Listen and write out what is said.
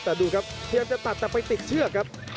แต่ดูครับพยายามจะตัดแต่ไปติดเชือกครับ